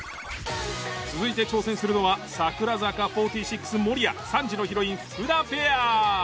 続いて挑戦するのは櫻坂４６守屋３時のヒロイン福田ペア。